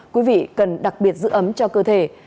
quý vị cần đặc biệt giữ ấm cho cơ thể